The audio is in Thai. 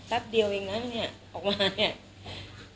แป๊บเดียวเองนะเนี่ยออกมาเนี่ย